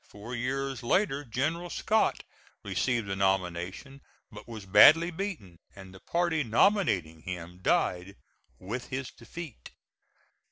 Four years later General Scott received the nomination but was badly beaten, and the party nominating him died with his defeat.